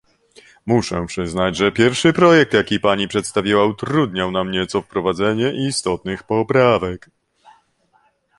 Muszę przyznać, że pierwszy projekt, jaki pani przedstawiła, utrudniał nam nieco wprowadzenie istotnych poprawek